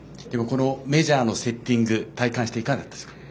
メジャーのセッティング体感して、いかがでしたか？